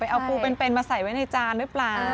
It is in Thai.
เอาปูเป็นมาใส่ไว้ในจานหรือเปล่า